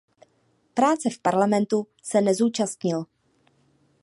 Práce v parlamentu se nezúčastnil.